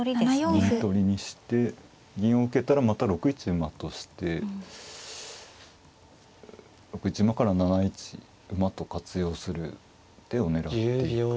銀取りにして銀を受けたらまた６一馬として６一馬から７一馬と活用する手を狙っていく。